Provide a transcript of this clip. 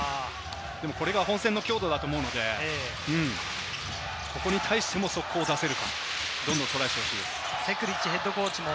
これが本戦の強度だと思うので、ここに対しても速攻を出せるか、トライしてほしいです。